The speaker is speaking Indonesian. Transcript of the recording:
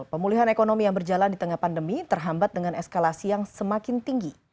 pemulihan ekonomi yang berjalan di tengah pandemi terhambat dengan eskalasi yang semakin tinggi